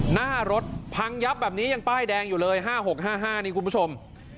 หน้ารถพังยับแบบนี้ยังป้ายแดงอยู่เลย๕๖๕๕นี่คุณผู้ชม